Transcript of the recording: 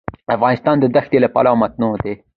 افغانستان د ښتې له پلوه متنوع دی.